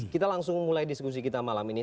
kita langsung mulai diskusi kita malam ini